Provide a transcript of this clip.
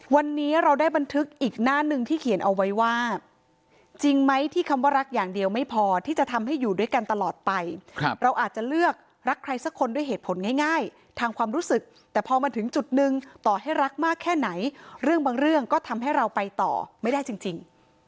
วันนี้เราได้บันทึกอีกหน้าหนึ่งที่เขียนเอาไว้ว่าจริงไหมที่คำว่ารักอย่างเดียวไม่พอที่จะทำให้อยู่ด้วยกันตลอดไปเราอาจจะเลือกรักใครสักคนด้วยเหตุผลง่ายทางความรู้สึกแต่พอมาถึงจุดหนึ่งต่อให้รักมากแค่ไหนเรื่องบางเรื่องก็ทำให้เราไปต่อไม่ได้จริง